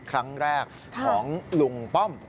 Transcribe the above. ครั้งแรกของลุงป้อม